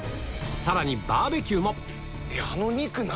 さらにバーベキューもあの肉何？